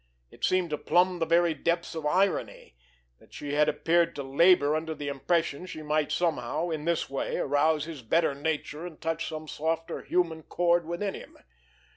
It seemed to plumb the very depths of irony that she appeared to labor under the impression she might somehow, in this way, arouse his better nature and touch some softer human chord within him!